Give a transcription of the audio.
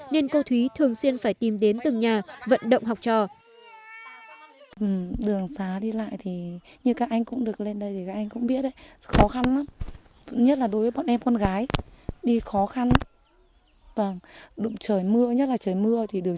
nên cô thúy thường xuyên phải tìm đến từng nhà vận động học trò